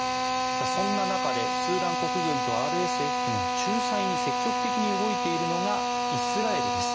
そんな中でスーダン国軍とＲＳＦの仲裁に積極的に動いているのがイスラエルです。